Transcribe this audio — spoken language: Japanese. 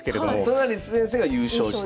都成先生が優勝して。